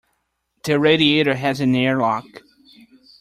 The radiator has an air lock.